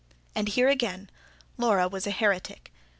And here again Laura was a heretic.